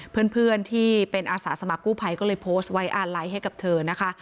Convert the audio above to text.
เพื่อนที่เป็นอาสาสมกู้ภัยก็เลยโพสต์ไว้อาลัยให้กับเธอนะคะ